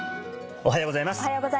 おはようございます。